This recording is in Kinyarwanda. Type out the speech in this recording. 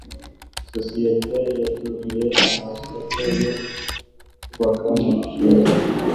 isosiyete yatumiye amasoko yo kubaka umushinga